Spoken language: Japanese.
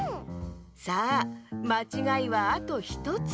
さあまちがいはあと１つ。